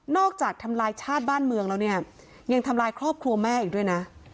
ทำลายชาติบ้านเมืองแล้วเนี่ยยังทำลายครอบครัวแม่อีกด้วยนะ